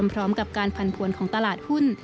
พร้อมกับการผันผวนของตลาดหุ้น